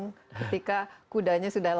ketika kudanya sudah lari